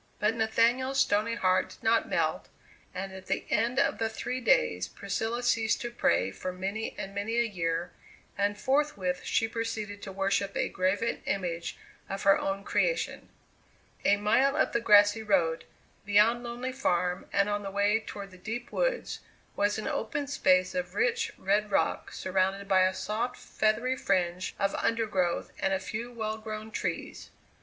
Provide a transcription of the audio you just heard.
But Nathaniel's stony heart did not melt, and at the end of the three days Priscilla ceased to pray for many and many a year, and forthwith she proceeded to worship a graven image of her own creation. A mile up the grassy road, beyond Lonely Farm and on the way toward the deep woods, was an open space of rich, red rock surrounded by a soft, feathery fringe of undergrowth and a few well grown trees.